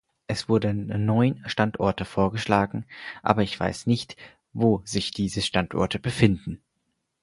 Es wurden neun Standorte vorgeschlagen, aber ich weiß nicht, wo sich diese Standorte befinden.